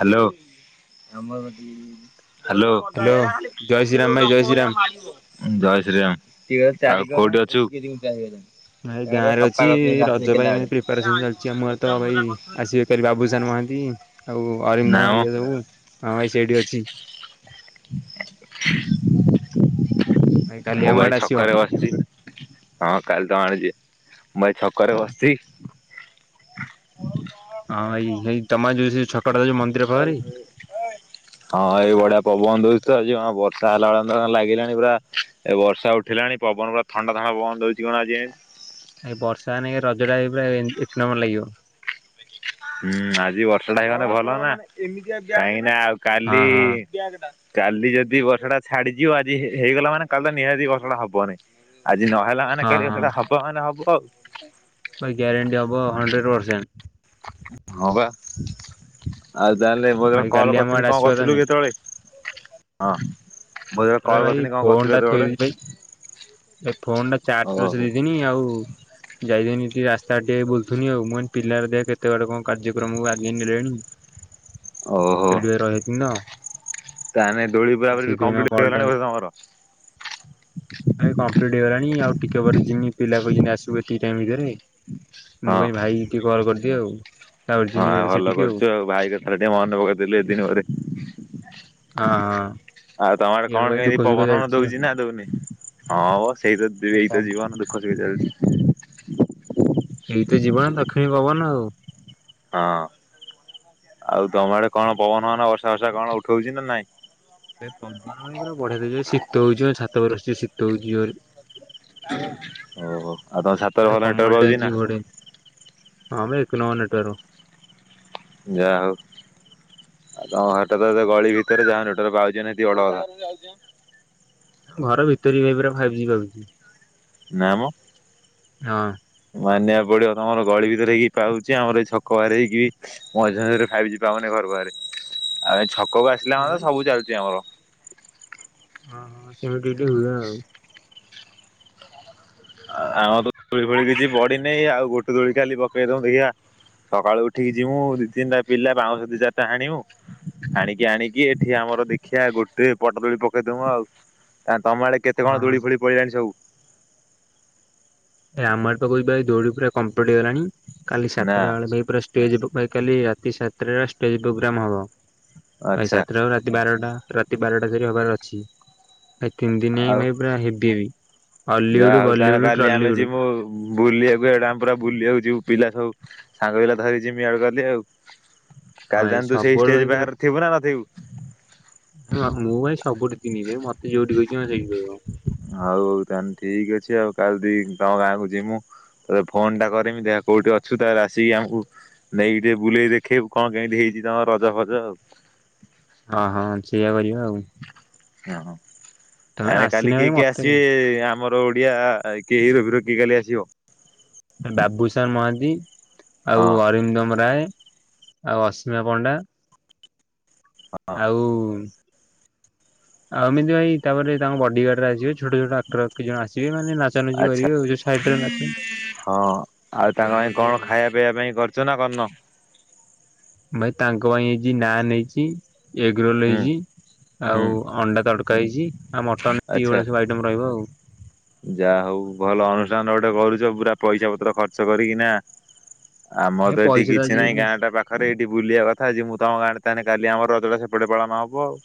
Hello. Hello. ଜୟ hello ଜୟ ଶ୍ରୀରାମ ଭାଇ ଜୟ ଶ୍ରୀରାମ। ଶ୍ରୀରାମ ଆଉ କୋଉଠି ଅଛୁ? ଭାଇ ଗାଁ ରେ ଅଛି ରଜ ପାଇଁ ଏମତି ପ୍ରିପାରେସନ ଚାଲିଛି ଆମ ଗାଁରେ ତ ଭାଇ ଆସିବେ ଫେରେ ବାବୁସାନ ମହାନ୍ତି ଆଉ ନା ଅରିନ୍ଦମ ମ ହରିକା ସବୁ ହଁ ଭାଇ ସେଇଟି ଅଛି। ଭାଇ କାଲି ମୁଁ ଆମ ଆଡେ ଭାଇ ଆସିବ। ଛକରେ ବସ୍ ଚି ହଁ କାଲି ତ ଆଣିଚି ମୁଁ ଏ ଛକରେ ହଁ ବସଚି। ହଁ ଭାଇ ଭାଇ ତମ ଏ ଯୋଉ ସେ ଛକଟା ଯୋଉ ମନ୍ଦିର ପାଖରେ କି? ହଁ ଏଇ ବଢିଆ ପବନ ଦଉଚି ତ ଆଜି ହଁ ବର୍ଷା ହେଲା ଭଳିଆ ତ କଣ ଲାଗିଲାଣି ପୁରା ଏ ବର୍ଷା ଉଠିଲାଣି ପବନ ପୁରା ଥଣ୍ଡା ଥଣ୍ଡା ପବନ ଦଉଚି କଣ ଆଜି [unintelligible] ଏଇ ବର୍ଷା ନାଇଁ ରଜଟା ଏଇ ପୁରା ଏ-ଏକ ନମ୍ବର ଲାଗିବ। ହୁଁ ଆଜି ବର୍ଷାଟା ହେଇଗଲେ ଭଲ ନା କାହିଁକି ନା ଆଉ ହଁ କାଲି ହଁ କାଲି ଯଦି ବର୍ଷାଟା ଛାଡିଯିବ ଆଜି ହେ-ହେଇଗଲା ମାନେ କାଲି ତ ନିହାତି ବର୍ଷାଟା ହବନି। ଆଜି ନ ହେଲା ମାନେ ହଁ କାଲି ହଁ। ସେଇଟା ହବ ମାନେ ହବ ଆଉ। ଭାଇ ଗ୍ୟାରେଣ୍ଟି ହବ ହଣ୍ଡ୍ରେଡ ପରସେଣ୍ଟ। ହଁ ବା ଆଉ ତାହେଲେ ମୁଁ ଭାଇ ଯେତବଳେ କଲ୍ କାଲି ଆମ କରିଥିଲି ଆଡେ କଣ ଆସିବ କରିଥିଲୁ ତାନେ। ସେତବଳେ? ହଁ ମୁଁ ଯେତେବେଳେ ଏଥର କଲ ଭାଇ କରିଥିଲି କଣ କରୁଥିଲ ସେତବଳେ? ଏ ଫୋନଟା ଚାର୍ଜ ବସେଇ ଦେଇଥିନି ଆଉ। [inaudible] ଯାଇଥିନି ଟିକେ ରାସ୍ତା ଆଡେ ଟିକେ ବୁଲୁଥିନି ଆଉ ମୁଁ କହିନି ପିଲା ହରିକା ଦେଖ୍ କେତେ ବାଟ କଣ କାର୍ଯ୍ୟକ୍ରମକୁ ଆଗେଇ ନେଲେଣି। [inaudible] ଓ ହୋ ସେଇଠି ଭାଇ ରହିଯାଇଥିଲି ତ ତାହେନେ ଦୋଳି ପୁରାପୁରି ସେଇଥିପାଇଁ କମ୍ପ୍ଲିଟ କଲ୍ ଟା ହେଇଗଲାଣି ବୋଧେ ତମର? [inaudible] ଭାଇ କମ୍ପ୍ଲିଟ୍ ହେଇଗଲାଣି ଆଉ ଟିକେ ପରେ ଜିମି ପିଲା କହିଚନ୍ତି ଆସିବୁ ଏତିକି ଟାଇମରେ ଭିତେରେ। ମୁଁ ହଁ କହିଲି ଭାଇଙ୍କି କଲ୍ କରିଦିଏ ଆଉ। ତାପରେ ଯିମି ହଁ ଭଲ ସେଠିକି କରିଚୁ ଆଉ ଭାଇ କଥାଟା ଟିକେ ମନେ ପକେଇଦେଲୁ ଏତେ ଦିନି ପରେ। ହଁ ହଁ। ଆଉ ତମ ଆଡେ କଣ ଏଇଭଳିଆ ଦୁଃଖ କେମିତି ସୁଖ ପବନ ଫବନ ଚାଲିଛି ଆଉ। ଦଉଚି ନା ଦଉନି? ହଁ ମ ସେଇ ତ ଏଇତ ଜୀବନ ଦୁଃଖ ସୁଖେ ଚାଲିଚି। ଏଇ ତ ଜୀବନ ଦକ୍ଷିଣି ପବନ ଆଉ। ହଁ ଆଉ ତମ ଆଡେ କଣ ପବନ ଫବନ ବର୍ଷା ଫର୍ଷା କଣ ଉଠଉଚି ନା ନାଇଁ? ଏ ପବନ ଏଇ ଗୁରା ବଢିଆ ଦଉଚି ଶୀତ ହଉଚି ବା ଛାତ ଉପରେ ବସଚି ଶୀତ ହଉଚି ଜୋରେ। ଓ ହୋ ଆଉ ତମ ଛାତରେ ଭଲ ଗୋଟେ ନେଟୱାର୍କ କମଳ ଟେ ପାଉଚି ଆଣିଛି ନା? ଘୋଡେଇ ହଁ ବେ ଏକ ନମ୍ବର ନେଟୱାର୍କ। ଯାହା ହଉ। ଆଉ ତମ ଘରଟା ତ ଏତେ ଗଳି ଭିତେରେ ଯାହା ନେଟୱାର୍କ ପାଉଚି ନା ସେତିକି ବଡ କଥା। ଘର ଭିତେରେ ବି ଭାଇ ପୁରା ଫାଇପ୍ ଜି ପାଉଚି। ନା ମ। ହଁ। ମାନିବାକୁ ପଡିବ ତମର ଗଳି ଭିତରେ ହେଇକି ପାଉଚି ଆମର ଏଇ ଛକ ବାହାରି ହେଇକି ମଝି ମଝିରେ ଫାଇଭ୍ ଜି ପାଉନି ଘର ବାହାରେ ଆଉ ଏଇ ଛକକୁ ଆସିଲା ତ ହଁ। ସବୁ ଚାଲୁଚି ଆମର। ହଁ ହଁ ସେ ବି ଟିଏ ଟିଏ ହୁଏ ଆଉ। ଆଉ ଆମର ତ ଦୋଳି ଫୋଳି କିଛି ପଡିିନାହିଁ ଆଉ ଗୋଟେ ଦୋଳି କାଲି ପକେଇ ଦମୁ ଦେଖିଆ ସକାଳୁ ଉଠିକି ଯିବୁ ଦି ତିନିଟା ପିଲା ବାଉଁଶ ଦି ଚାରିଟା ହାଣିମୁଁ ଆଣିକି ଆଣିକି ଏଠି ଆମର ଦେଖିଆ ଗୋଟେ ବଡ ଦୋଳି ପକେଇଦମୁଁ ଆଉ। ଆ ତମ ଆଡେ କେତେ କଣ ହଁ ଦୋଳି ଫୋଳି ପଇଲାଣି ସବୁ? ଏ ଆମ ଆଡେ ପା କହୁଛି ଭାଇ ଦୋଳି ପୁରା କମ୍ପଲିଟ ହେଇଗଲାଣି କାଲି ନା ସାତଟା ବେଳ ପାଇଁ ପୁରା ଷ୍ଟେଜ୍ ପୋ କାଲି ରାତି ସାତଟାରେ ଷ୍ଟେଜ୍ ପ୍ରୋଗ୍ରାମ୍ ହବ। ଆଜି ଆଚ୍ଛା ସାତଟାରୁ ରାତି ବାରଟା ରାତି ବାରଟା ଯାକେ ହବାର ଅଛି। ଏ ତିନି ଦିନ ଆଉ [unintelligible] ଭାଇ ପୁରା ହେବି ଭାଇ ଅଲିଉଡ ବଲିଉଡ ଟଲିଉଡ। ମୁଁ ହଁ ବୁଲିବାକୁ ଏଇଡା ଆମେ ପୁରା ବୁଲିବାକୁ ଯିବୁ ପିଲା ସବୁ ସାଙ୍ଗ ପିଲା ଧରିଛିି ଯିମିଆଉ କାଲି ଆଉ। କାଲି ଭାଇ ତାହେନେ ତୁ ସେଇ ସବୁଆଡୁ ଷ୍ଟେଜ ଭାଇ ପୁରା ପାଖରେ ଥିବୁ ନା ନଥିବୁ? ମୁଁ ଭାଇ ସବୁଠି ଥିବି ଭାଇ ମତେ ଯୋଉଠି ଖୋଜିବ ସେଇଠି ମିଳିବ। ହଉ ତାହେଲେ ଠିକ ଅଛି ଆଉ କାଲି ଦି ତମ ଗାଁକୁ ଯିମୁ ଥରେ ଫୋନ୍ଟା କରିମି ଦେଖ କୋଉଠି ଅଛୁ ତାହେଲେ ଆସିକି ଆମକୁ ନେଇକ ଟିକେ ବୁଲେଇ ଦେଖେଇବୁ କଣ କେମିତି ହେଇଚି ତମର ରଜ ଫଜ ଆଉ। ହଁ ହଁ ଛେଇଆ କରିବା ଆଉ। ହଁ ତମେ ଆ ଆସିନା କାଲି ଭାଇ କିଏ କିଏ ମତେ ଆସିବେ ଆମର ଓଡିଆ କିଏ ହିରୋ ଫିରୋ କିଏ କାଲି ଆସିବ। ବାବୁଶାନ୍‌ ମହାନ୍ତି, ଆଉ ହଁ ଅରିନ୍ଦମ୍ ରାୟ, ଆଉ ଅସୀମା ପଣ୍ଡା ହଁ ଆଉ ଅମିତ୍‌ ଭାଇ ତାପରେ ତାଙ୍କ ବଡିଗାର୍ଡ ରେ ଆସିବେ। ଛୋଟ ଛୋଟ ଆକ୍ଟର ଆଉ କେତ ଜଣ ଆସିବେ ମାନେ ନାଚା ନାଚି ଆଚ୍ଛା। କରିବେ ଯ ସାଇଟ ରେ ନାଚ। ହଁ ଆଉ ତାଙ୍କ ପାଇଁ କଣ ଖାଇବା ପିଇବା ପାଇଁ କରୁଚ ନା କରିନ? ଭାଇ ତାଙ୍କ ପାଇଁ ଆଜି ନାନ୍‌ ହେଇଛି। ଏଗ ରୋଲ୍‌ ହୁଁ ହେଇଛି ହୁଁ ଆଉ ଅଣ୍ଡା ତଡ଼କା ହେଇଛି ଆଉ ମଟନ୍‌ କି ଆଚ୍ଛା। [unintelligible] ଆଇଟମ୍‌ ରମ ରହିବ ଆଉ। ଯାହା ହଉ ଭଲ ଅନୁଷ୍ଠାନ ଗୋଟେ କରୁଛ ପୁରା ପଇସା ପତ୍ର ଖର୍ଚ୍ଚ କରି କିନା। ଆମର ଭାଇ ତ ଏଠି ପଇସା କିଛି ନାହିଁ ଆଜିକାଲି ଗାଁ ଟା ପା ପାଖରେ ଏଇଠି ବୁଲିଆ କଥା ଯେ ମୁଁ ତମ ଗାଁ ରେ ତାହେନେ କାଲି ଆମ ରଜଟା ସେପଟେ ପାଳନ ହବ ଆଉ।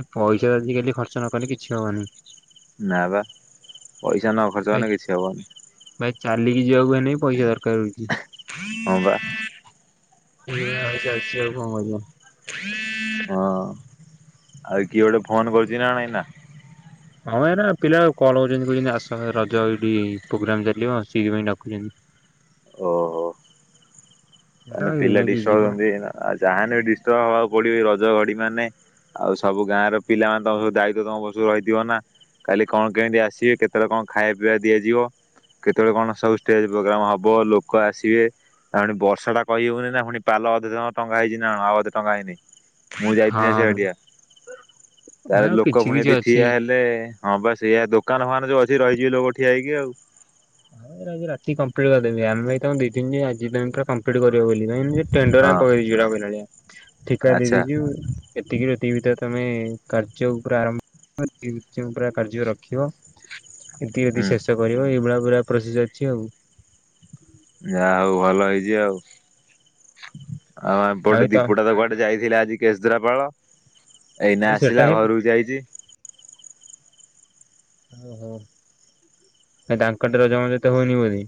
ଏ ପଇସା ଯଦି ଆଜିକାଲି ଖର୍ଚ୍ଚ ନ କଲେ କିଛି ହବ ନି। ନା ବା ପଇସା ନ ଖର୍ଚ୍ଚ ଭାଇ କଲେ କିଛି ହବ ନି। ଭାଇ ଚାଲିକି ଯିବାକୁ ହେଲେ ପଇସା ଦରକାର୍ ହଉଛି। ହଁ ବା ଏ ଇଆ ଆଉ ଚାଲିଛି ଆଉ କଣ କରିଆ। ହଁ ଆଉ କିଏ ଗୋଟେ ଫୋନ୍‌ କରୁଛି ନା କଣ ଏଇନା? ହଁ ଏନା ପିଲା କଲ କରୁଛନ୍ତି କହୁଛନ୍ତି ଆସ ରଜ ଏଇଠି ପ୍ରୋଗରାମ ଚାଲିବ ସେଇଥିପାଇଁ ଡାକୁଛନ୍ତି। ଓ ହୋ। ଏରା ମାନେ ପିଲା ଏଇନାକେ ଯିବ ଡିଷ୍ଟର୍ବ ହଛନ୍ତି ଯାହା ହେଲେ ବି ଡିଷ୍ଟର୍ବ ହବାକୁ ପଡ଼ିବ ରଜ ଘଡି ମାନେ ଆଉ ସବୁ ଗାଁ ର ପିଲାମାନେ ତମ ସବୁ ଦାୟିତ୍ଵ ତମ ରହିଥିବ ନା। କାଲି କଣ କେମିତି ଆସିବେ କେତେବେଳେ କଣ ଖାଇବା ପିଇବା ଦିଆଯିବ। କେତେବେଳେ କଣ ସବୁ ଷ୍ଟେଜ ପ୍ରୋଗ୍ରାମ୍ ହବ ଲୋକ ଆସିବେ ଆଉ ବର୍ଷା ଟା କହି ହଉନି ନା ପୁଣି ପାଲ ଅଧେ ଜଣ ଟଙ୍ଗା ହେଇଛି ନା ଆଉ ଅଧେ ଟଙ୍ଗା ହଇନି। ମୁଁ ଯାଇଥିଲିନି ସେ ହଁ ଏରିଆ ତା ଆଉ ଲୋକ କିଛି ପୁଣି କିଛି ଏଠି ଅଛି ଠିଆ ହେଲେ ହଁ ବା ସେଇଆ ଦୋକାନ ଫୋକାନ ଯୋଉ ଅଛି ରହିଯିବେ ଲୋକ ଠିଆ ହଇକି ଆଉ। ହଁ ଆଜି ରାତି କପ୍ଲିଟ କରି ଦେବି ଆମେ ତ ଦି ତିନ ଯ ଆଜି ବ୍ୟାଙ୍କ କମ୍ପ୍ଲିଟ କରିବ ବୋଲି କାଇ ଟେଣ୍ଡରେ ଆମେ [unintelligible] ହଁ ପକେଇଛୁ କହି ଠିକା ଆଚ୍ଛା ଦେଇଦେଇଛୁ। ଏତିକିରୁ ଏତିକି ଭିତରେ ତମେ କାର୍ଯ୍ୟ ଉପରେ ଆରମ୍ [unintelligible] କାର୍ଯ୍ୟ ରଖିବ। ଏତି ଯଦି ହୁଁ ଶେଷ କରିବ ଏଇଭଳିଆ ପୁରା ପ୍ରୋସେସ୍‌ ଅଛି ଆଉ। ଯାହା ହଉ ଭଲ ହେଇଛି ଆଉ। ଆଉ ଆମପଟେ ଦୀପୁଟା ତ କୁଆଡ଼େ ମୁଁ ଯାଇଥିଲା ଆଜି କେଶ୍ରାପାଳ ଏଇନା ଭାଇ ସେଟା ଆସିଲା ହିଁ ଘରୁକୁ ଯାଇଛି। ଓହୋ ନାଇ ତାଙ୍କର ତ ରଜ ମଜା ତ ହଉନି ବୋଲି।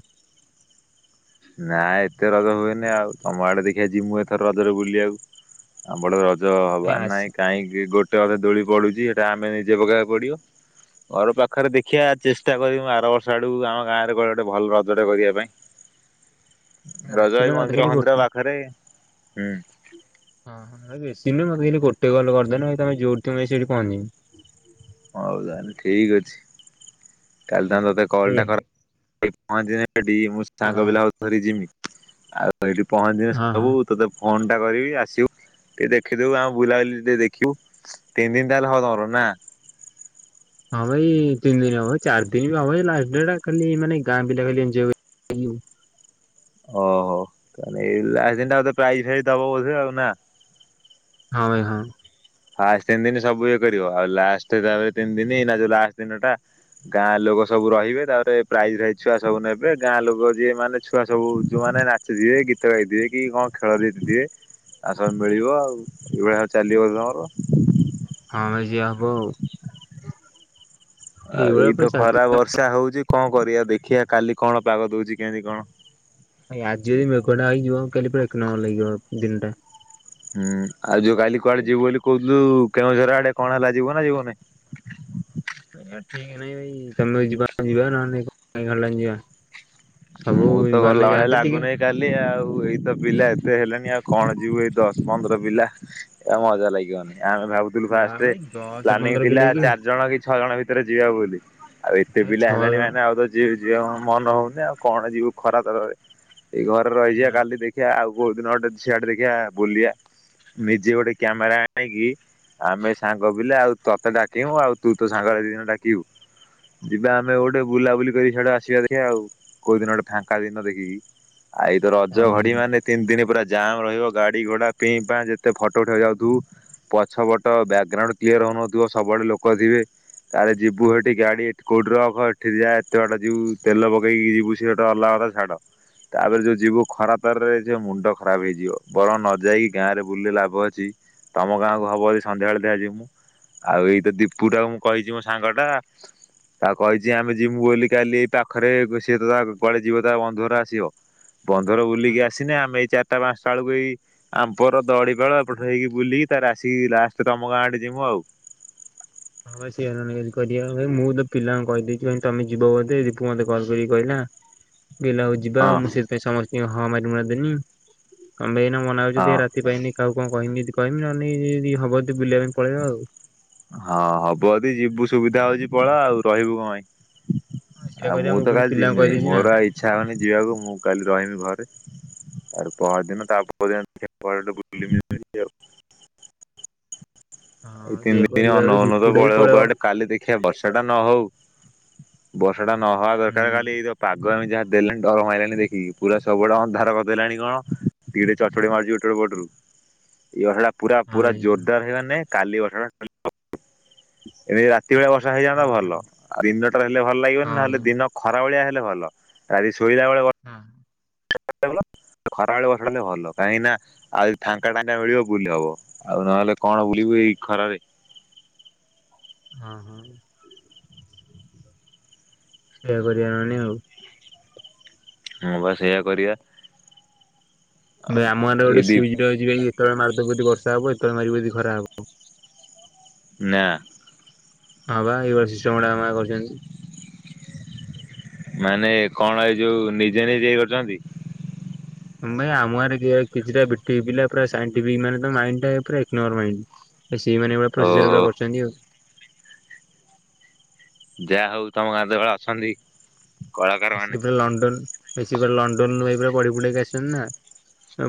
ନାଇଁ ଏତେ ରଜ ହୁଏନି ଆଉ ତମ ଆଡ଼େ ଦେଖିବା ଯିମୁଁ ଏଥର ରଜରେ ବୁଲିବାକୁ। ଆମ୍ ପଟେ ରଜ ଏ ହବାର ଆସି ନାହିଁ କାହିଁକି ଗୋଟେ ଅଧ ଦୋଳି ପଡ଼ୁଛି ସେଟା ଆମେ ନିଜେ ପକେଇବାକୁ ପଡ଼ିବ। ଘର ପାଖରେ ଦେଖିୟା ଚେଷ୍ଟା କରିମୁ ଆର ବର୍ଷ ଆଡ଼କୁ ଆମ ଗାଁରେ ଗୋଟେ ଭଲ ରଜଟେ କରିବା ପାଇଁ। ରଜ ଆସିଲେ ଏଇ ମତେ ମନ୍ଦିର ଖାଲି ଫନ୍ଦିର ଗୋଟେ ପାଖରେ ହୁଁ। ହଁ ହୁଁ ୟେ ବେଶୀ ନୁହ ମତେଲି ଗୋଟେ ଗଲ କରିଦେଲେ ଭାଇ ତମେ ଯୋଉଠି ଥିବ ସେଇଠି ପହଞ୍ଚିମି। ହଁ ତାହେଲେ ଠିକ୍ ଅଛି। କାଲି ତାଙ୍କ ତତେ କଲ୍ଟା କର ପହଞ୍ଚିନେଇକି ମୁଁ ହଁ ସାଙ୍ଗ ପିଲା କୁ ଧରି ଯିମି। ଆଉ ଏଇଠି ପହଞ୍ଚିବେ ହଁ ହଁ। ସବୁତ୍ ତତେ ଫୋନ୍ ଟା କରିବି ଆସିବୁ ଟିକେ ଦେଖିଦବୁ ଆଉ ବୁଲାବୁଲି ଟିକେ ଦେଖିବୁ। ତିନିଟା [unintelligible] ଦିନ ତାହେଲେ ହଉ ତମର ନା ହଁ ଭାଇ ତିନି ଦିନ ହବ ଚାର୍ ଦିନ୍ ବି ହବ ଏଇ ଲା ଦିନଟା ଖାଲି ମାନେ ଗାଁ ପିଲା ଖାଲି ଏନ୍ଞୟ ଆଇୟୁ ଓହୋ ତାହେଲେ [unintelligible] ପ୍ରାଇ ଫାଇଜ୍ ଦବ ବୋଧେ ଆଉ ନା। ହଁ ଭାଇ ହଁ। ଫାଷ୍ଟ ତିନି ଦିନ ସବୁ ଇଏ କରିବ ଆଉ ଲାଷ୍ଟ ତାପରେ ତିନି ଦିନି ନା ଯୋଉ ଲାଷ୍ଟ ଦିନ ଟା ଗାଁ ଲୋକ ସବୁ ରହିବେ ତାପରେ ପ୍ରାଇଜି ଫ୍ରାଇଜି ଛୁଆ ସବୁ ନେବେ ଗାଁ ଲୋକ ଯିଏ ମାନେ ଛୁଆ ସବୁ ଯୋଉମାନେ ନା ଛେ ଯିଏ ଗୀତ ଗାଇ ଦିଏ କି କଣ ଖେଳ ରିତ୍ ଦିଏ। ଆ ସବୁ ମିଳିବ ଆଉ ଏଇଭଳିଆ ଚାଲିବ ତମର। ହଁ ମେ ଯିଆ ହବ ଆଉ। [inaudible] ଆଉ ଏଇଭଳିଆ ପୁରା ଏଇତ ଚାଲିଚି। ଖରା ବର୍ଷା ହଉଛି କଣ କରିବା ଦେଖିବା କାଲି କଣ ପାଗ ଦଉଛି କେଇନ୍ତି କଣ। ଭାଇ ଆଜି ଯଦି ମେଘ ନାଇଁ ଯିବ କାଲି ପୁରା ଏକ ନମ୍ବର ଲାଗିବ ଦିନଟା। ହୁଁ ଆଉ ଯୋଉ କାଲି କୁଆଡ଼େ ଯିବୁ ବୋଲି କହୁଥୁଲୁ କେଉଁଝର ଆଡ଼େ କଣ ହେଲା ଯିବୁ ନା ଯିବୁନି? [unintelligible] ଭଆ ଠିକ ନାଇଁ ଭାଇ ତମେ ଯିବା ଯିବା ନହେଲେ କାଇଁ ଖିଲାଣି ଯିବା ସବୁ ମୁଁ ତ ଗଲା ଗଲେ ଭଳିଆ ଯାଆନ୍ତେ ଟିକେ। ଲାଗୁନାହିଁ କାଲି ଆଉ ଏଇତ ପିଲା ଏତେ ହେଲେନି ଆଉ କଣ ଯିବୁ ଏଇ ଦଶ୍ ପନ୍ଦର ପିଲା। ଏ ମଜା ଲାଗିବନି ଆମେ ଭାବୁଥିଲୁ ନା ଫାଷ୍ଟେ ଭାଇ ଦଶ ପ୍ଲାନିଙ୍ଗ୍ ପନ୍ଦର ଥିଲା ପିଲା କି ଚାରି ଜଣ କି ଛଅ ଜଣ ଭିତରେ ଯିବା ବୋଲି ଆଉ ଏତେ ଭାଇ ପିଲା ଛଅ ହେଲାଣି ଜଣ ମାନେ ଆଉ ରୋ ଯିବି [unintelligible] ଯିବାକୁ ମନ ହଉନି ଆଉ କଣ ଯିବୁ ଖରା ତରାରେ ଏଇ ଘରେ ରହିଯିବା ନା କାଲି ଦେଖ୍ ଖିୟା ଆଉ କୋଉ ଦିନ ଗଟେ ସିଆଡ଼େ ଦେଖିବା ବୁଲିବା ନିଜେ ଗୋଟେ କ୍ୟାମେରା ଆଣିକି ଆମେ ସାଙ୍ଗ ପିଲା ଆଉ ତତେ ଡାକିମୁଁ ଆଉ ତୁ ତୋ ସାଙ୍ଗରେ ଦି ଜଣ ଡ଼ାକିବୁ। ଯିବା ଆମେ ଗୋଟେ ବୁଲାବୁଲି କରି ସିଆଡେ ଆସିବା ଦେଖିବା ଆଉ। କୋଉ ଦିନଟେ ଫାଙ୍କା ଦିନ ଦେଖିକି ଆଉ ଏଇ ତ ହଁ ରଜ ଭାଇ ଘଡ଼ି ହଁ। ମାନେ। ତିନ୍ ଦିନି ପୁରା ଜାମ୍ ରହିବ ଗାଡ଼ି ଘୋଡା ପି ମ୍ପା ଯେତେ ଫଟୋ ଉଟେଇ ବାକୁ ଯାଉଥିବୁ। ପଛ ପଟ ବ୍ରାକଗ୍ରାଉଣ୍ଡୁ କ୍ଲିୟର ହଉନଥିବ ସବୁଆଡ଼େ ଲୋକ ଥିବେ। ତାରେ ଯିବୁ ହେଠି ଗାଡ଼ି କୋଉଠି ରଖ ଏଠି ଯାଏ ଏତେ ବାଟା ଯିବୁ ତେଲ ପେଇକି ଯିବୁ। ଥିଏ ଟା ଅଲଗା କଥା ଛାଡ଼। ତା ପରେ ଯୋଉ ଯିବୁ ଖରା ତରାରେ ଯେଉଁ ମୁଣ୍ଡ ଖରାପେ ହେଇଯିବ ବରଂ ନ ଯାଇକି ଗାଁ ରେ ବୁଲିଲେ ଲାଭ ଅଛି। ତମ ଗାଁକୁ ହବ ଯଦି ସନ୍ଧ୍ୟାବେଳେ ଦେଖିଆ ଯିବୁ। ଆଉ ଏଇତ ଦୀପୁ ଟାକୁ ମୁଁ କହିଛି ମୋ ସାଙ୍ଗ ଟା। ତାକୁ କହିଛି ଆମେ ଯିବୁ ବୋଲି କାଲି ଏଇ ପାଖରେ ସିଏ ତ ତା କୁଆଡେ ଯିବ ତା ବନ୍ଧୁଘର ଆସିବ। ବନ୍ଧୁଘର ହଁ ବୁଲିକି ଆସିନେ ଆମେ ଏଇ ଚାରିଟା ପାଞ୍ଚଟା ବେଳକୁ ଏଇ ଆମ୍ପର ଦଡିପାଳ ଏପଟେ ହେଇକି ବୁଲିକି ତାର ଆସିକି ଲାଷ୍ଟ ତମ ଗାଁ ଆଡେ ଯିବୁ ଆଉ। ହଁ ସେ ଭାଇ [unintelligible] ମୁଁ ତ ପିଲଙ୍କୁ କହିଦେଇଛି କ ତମେ ଯିବ ବୋତେ ଦୀପ ମତେ କଲ କରିକି କହିଲା ବିଲ ହଉଛି। ଯିବା ହଁ ଆଉ ମୁଁ ସେଥିପାଇଁ ସମସ୍ତଙ୍କୁ ହଁ ମାରି ମୁରା ଦେନି। ଏଇନା ମନା କରିବୁ ଯଦି ହଁ ରାତି ପାହିନି କାହାକୁ କଣ କହମି ଯଦି କହମି ନହେଲେ ଯଦି ହବ ବୁଲିବା ପାଇଁ ପଳେଇବା ଆଉ। ହଁ ହବ ଯଦି ଯିବୁ ସୁବିଧା ହଉଛି ପଳା ଆଉ ରହିବୁ କଣ ପାଇଁ। ସେଇଆ ଆଉ କରିବା ମୁଁ ତ ପୁଣି କାଲି ପିଲାଙ୍କୁ ଯିବିନି। କହିଦେଇଛି ନା ମୋର ଆଉ ଇଚ୍ଛା ହଉନି ଯିବାକୁ ମୁଁ କାଲି ରହିବି ଘରେ। ତା ପରଦିନ ତା ପରଦିନ ଦେଖିଆ କୁଆଡେ ଗୋଟେ ବୁଲି ଯିବା। ଏଇ ହଁ ସେଇଆ ତିନିଦିନ କରିବା ଏଇ ଅନୋଉ ଅନୋଉ ତ ଦୀପୁଟା ବି ପଳେଇବ କୁଆଡେ। କାଲି ଦେଖିବା ବର୍ଷା ଟା ନ ହଉ ବର୍ଷା ଟା ନହବା ହୁଁ ଦରକାର କାଲି ପାଗ ଏମିତି ଯାହା ଦେଲାଣି ଡର ମାଇଲାଣି ଦେଖିକି ପୁରା ସବୁଆଡେ ଅନ୍ଧାର କରିଦେଲାଣି କଣ? ପ [unintelligible] ପୁରା ହଁ ପୁରା ଭାଇ ଜୋରଦାର ମାନେ କାଲି [unintelligible] ଏମିତି ରାତି ଭଳିଆ ବର୍ଷା ହେଇଯାନ୍ତା ହଁ ଭଲ। ହଁ ଆଉ ଦିନଟା ରେ ହଲେ ଭଲ ଲାଗିବନି, ହଁ ଭାଇ ନହେଲେ ଦିନ ଖରା ଭଳିଆ ହେଲେ ଭଲ, ଗାଧେଇ ଶୋଇଲା ବେଳେ ହଁ। ଖରାବେଳେ ବର୍ଷାଟା ହେଲେ ଭଲ କାହିଁକି ନା। ଆଉ ଫାଙ୍କା, ଟାଙ୍କା ମିଳିବ ବୁଲି ହବ ଆଉ ନହେଲେ କଣ ବୁଲିବୁ ଏଇ ଖରାରେ? ହଁ, ହଁ ସେଇୟା କରିବା ନହେଲେ ଆଉ। ମୁଁ ବା ସେଇଆ କରିବା। ଆମ ଗାଁର ଏଇ ଗୋଟେ ଦି ସୁଇଚ ଟେ ଅଛି। ଯେତବଳେ ମାରିଦବୁ ବର୍ଷାହବ, ଯେତେବେଳେ ମାରିଦବୁ ଖରାହବ ନାଁ। ହଁ ବା ଏଇଭଳିଆ ସିଷ୍ଟମ୍ ଆମ ଗାଁରେ କରିଛନ୍ତି। ମାନେ କଣ ଏଇ ଯୋଉ ନିଜେ ନିଜେ କରିଛନ୍ତି? ଭାଇ ଆମର କିଛିଟା ବିଟେକ ପିଲା ପୁରା ସାଇଣ୍ଟିଫିକ୍ ମାନେ ତାଙ୍କ ମାଇଣ୍ଡ ତା ପୁରା ଏକନମ୍ବର ମାଇଣ୍ଡ। ସେଇମାନେ ଗୁଡା ପ୍ରୋସିଜର ଓହୋ। ଗୁଡା କରଛନ୍ତିଆଉ ଯାହା ହଉ ତମ ଗାଁ ରେ ଏଇ ଭଳିଆ ଅଛନ୍ତି କଳାକାର ମାନେ ସେ ପୁରା ଲଣ୍ଡନ, ସେ ପୁରା ଲଣ୍ଡନରୁ ପଢି, ପଢକି ଆସଛନ୍ତି ନା?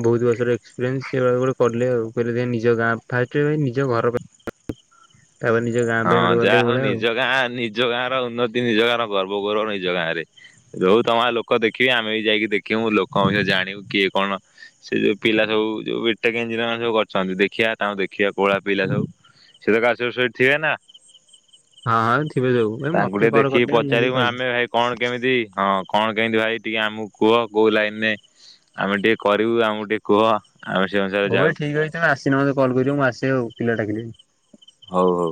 ବହୁତ ବର୍ଷର ଏକ୍ସପିରିଏନ୍ସ। ସେ ଗୋଟେ କଲେ ଆଉ। କହିଲେ [unintelligible] ନିଜ ଗାଁ ଫାଷ୍ଟ ନିଜ ଘର ତାପରେ ନିଜ ଗାଁ ପାଇଁ ହଁ ଗୋଟେ ଯାହା କଲେ ହଉ ଏଇଭଳିଆ ଆଉ ନିଜ ଗାଁ ନିଜ ନିଜ ଗାଁ ର ଉନ୍ନତି, ନିଜ ଗାଁ ଗର୍ବ ଗୌରବ ନିଜ ଗାଁରେ, ଯୋଉ ତମ ଗାଁରେ ଲୋକ ଦେଖିବେ, ଆମେ ବି ଯାଇକି ଦେଖିବୁ ଲୋକଙ୍କ ବିଷୟରେ ଜାଣିବୁ କିଏ କଣ ସେ ଯୋଉ ପିଲା ସବୁ ଯୋଉ ବିଟେକ୍ ଇଂଜିନିୟରିଂ ସବୁ କରିଛନ୍ତି। ଦେଖିବା ତାଙ୍କୁ ଦେଖିବା କୋଉଭଳିଆ ପିଲା ସବୁ ସେ ତ ଗ୍ରାଜୁଏସେନ୍ ଥିବେନା ହଁ ହଁ ଥିବେ ସବୁ ଭାଇ ତାଙ୍କୁ ମତେ ଟିକେ କଲ୍ ଦେଖିକି କରିଦେବେ ମୁଁ ଯୋଉ ପଚାରିବ ପାଇବି। ଆମେ ଭାଇ କଣ କେମିତି ହଁ କଣ କେମତି ଭାଇ ଟିକେ ଆମକୁ କୁହ? କୋଉ ଲାଇନ ନେ ଆମେ ଟିକେ କରିବୁ ଆମକୁ ଟିକେ କୁହ? ଆଶ୍ୟ [unintelligible] ହଉ ଭାଇ ଠିକ ଅଛି ତମେ ଆସିଲେ ମତେ କଲ କରିବ। ମୁ ଆସେ ଆଉ ପିଲା ଡାକି ଦେବି ହଉ, ହଉ।